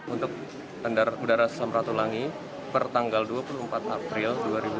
untuk udara samratulangi per tanggal dua puluh empat april dua ribu dua puluh